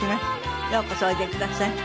ようこそおいでくださいました。